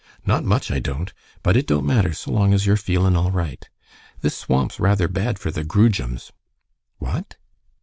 "Not much I don't. But it don't matter so long as you're feelin' all right. This swamp's rather bad for the groojums." "What?"